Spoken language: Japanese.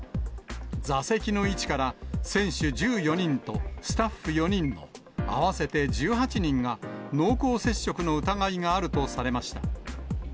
座席の位置から、選手１４人とスタッフ４人の合わせて１８人が、濃厚接触の疑いがあるとされました。